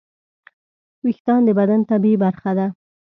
وېښتيان د بدن طبیعي برخه ده.